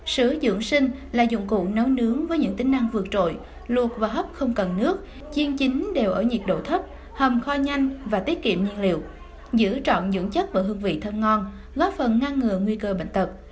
sữa dưỡng sinh là dụng cụ nấu nướng với những tính năng vượt trội luộc và hấp không cần nước chiên chính đều ở nhiệt độ thấp hầm kho nhanh và tiết kiệm nhiên liệu giữ trọn dưỡng chất và hương vị thơm ngon góp phần ngăn ngừa nguy cơ bệnh tật